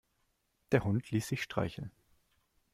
Der Hund ließ sich streicheln.